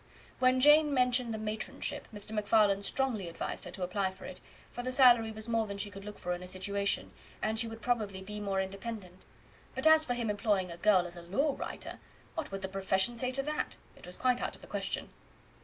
When Jane mentioned the matronship, Mr. MacFarlane strongly advised her to apply for it, for the salary was more than she could look for in a situation, and she would probably be more independent. But as for him employing a girl as a law writer, what would the profession say to that? It was quite out of the question.